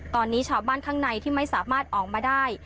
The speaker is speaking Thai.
ตอนนี้ชาวบ้านข้างในที่ไม่สามารถออกมาได้